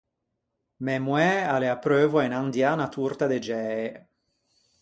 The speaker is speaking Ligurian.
Mæ moæ a l’é apreuvo à inandiâ unna torta de giæe.